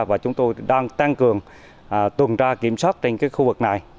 và chúng tôi đang tăng cường tuần tra kiểm soát trên khu vực này